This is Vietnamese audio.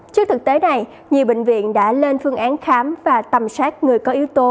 trước thực tế này nhiều bệnh viện đã lên phương án khám và tầm soát người có yếu tố